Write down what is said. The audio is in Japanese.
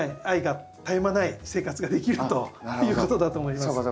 愛が絶え間ない生活ができるということだと思います。